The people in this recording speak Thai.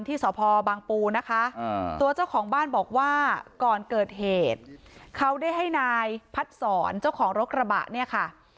ที่สพบางปูนะคะตัวเจ้าของบ้านบอกว่าก่อนเกิดเหตุเขาได้ให้นายพัดศรเจ้าของรถกระบะเนี่ยค่ะ